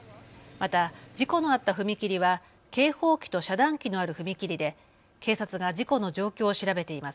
また、事故のあった踏切は警報機と遮断機のある踏切で警察が事故の状況を調べています。